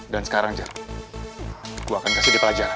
dan sekarang jar gue akan kasih dia pelajaran